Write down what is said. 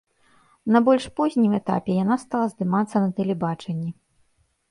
На больш познім этапе яна стала здымацца на тэлебачанні.